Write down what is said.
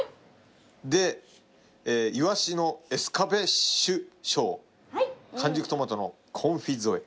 でイワシのエスカベッシュ・ショー完熟トマトのコンフィ添え。